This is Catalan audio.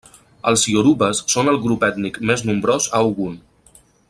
Els iorubes són el grup ètnic més nombrós a Ogun.